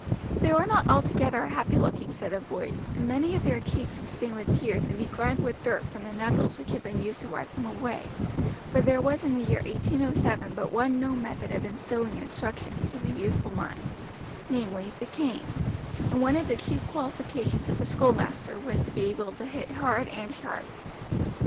They were not altogether a happy looking set of boys, and many of their cheeks were stained with tears and begrimed with dirt from the knuckles which had been used to wipe them away; for there was in the year 1807 but one known method of instilling instruction into the youthful mind, namely, the cane, and one of the chief qualifications of a schoolmaster was to be able to hit hard and sharp.